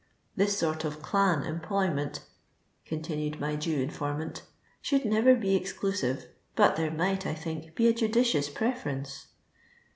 This sort of clan, employment," continued my Jew informant, " should never be exclusive, but there might, I think, be a judicious preference."